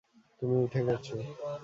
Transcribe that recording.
তুমি উঠে গেছো।